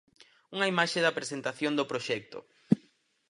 Unha imaxe da presentación do proxecto.